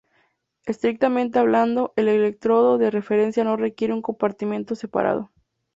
Estrictamente hablando, el electrodo de referencia no requiere un compartimento separado.